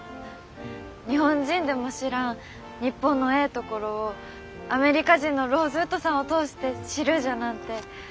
日本人でも知らん日本のええところをアメリカ人のローズウッドさんを通して知るじゃなんて